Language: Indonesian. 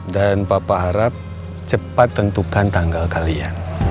dan papa harap cepat tentukan tanggal kalian